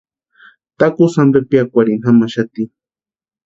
Takusï ampe piakwarhini jamaxati.